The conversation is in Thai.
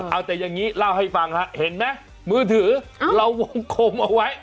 เอาแต่อย่างนี้เล่าให้ฟังฮะเห็นไหมมือถือเราวงกลมเอาไว้